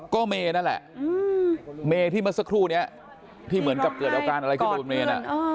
ก็เมย์นั่นแหละเมที่เมื่อสักครู่นี้ที่เหมือนกับเกิดอาการอะไรขึ้นบนเมน